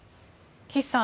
岸さん